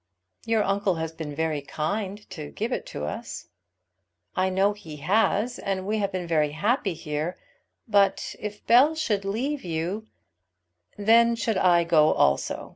"Your uncle has been very kind to give it to us." "I know he has; and we have been very happy here. But if Bell should leave you " "Then should I go also.